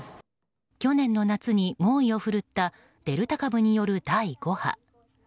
去年の夏に猛威を振るったデルタ株による第５波。